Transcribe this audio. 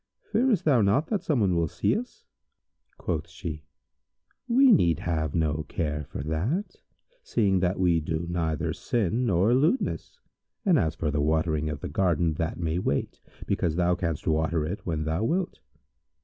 Fearest thou not that someone will see us?" Quoth she, "We need have no care for that, seeing that we do neither sin nor lewdness; and, as for the watering of the garden, that may wait, because thou canst water it when thou wilt."